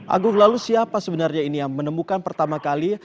agung lalu siapa sebenarnya ini yang menemukan pertama kali